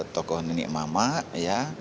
tokoh nenek mama ya